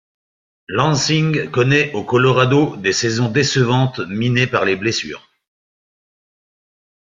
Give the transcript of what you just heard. Lansing connaît au Colorado des saisons décevantes minées par les blessures.